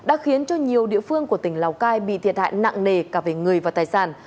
điều này đã khiến cho nhiều địa phương của tỉnh lào cai bị thiệt hạn nặng nề cả về người và tài sản